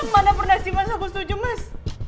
mana pernah sih mas aku setuju mas